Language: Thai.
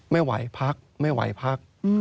ไม่ไหวพักไม่ไหวพัก